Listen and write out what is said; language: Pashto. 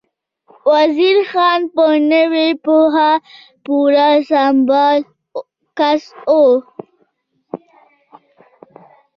وزیر خان په نوې پوهه پوره سمبال کس و.